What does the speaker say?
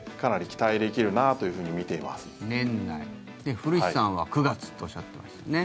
古市さんは９月とおっしゃっていましたね。